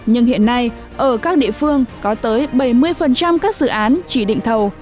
nhưng hiện nay ở các địa phương có tới bảy mươi các dự án chỉ định thầu